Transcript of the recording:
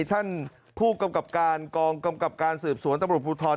ท่านผู้กำกับการกองกำกับการสืบสวนตำรวจภูทร